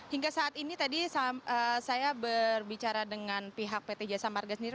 hingga saat ini tadi saya berbicara dengan pihak pt jasa marga sendiri